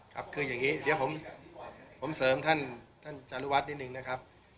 ครับคืออย่างงี้เดี๋ยวผมเดี๋ยวผมเสริมท่านท่านจารุวัฒน์นิดหนึ่งนะครับ